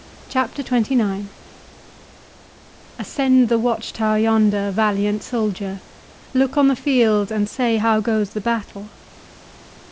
CHAPTER XXIX Ascend the watch tower yonder, valiant soldier, Look on the field, and say how goes the battle.